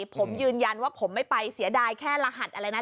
ผมยืนยันว่าผมไม่ไปเสียดายแค่รหัสอะไรนะ